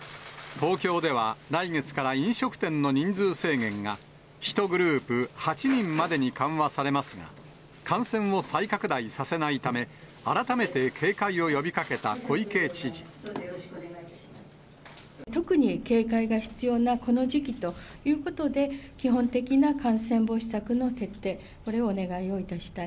東京では、来月から飲食店の人数制限が、１グループ８人までに緩和されますが、感染を再拡大させないため、特に警戒が必要なこの時期ということで、基本的な感染防止策の徹底、これをお願いをいたしたい。